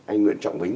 anh nguyễn trọng bính